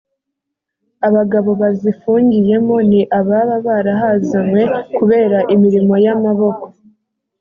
abagabo bazifungiyemo ni ababa barahazanywe kubera imirimo y amaboko